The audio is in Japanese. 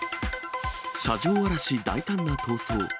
車上荒らし、大胆な逃走。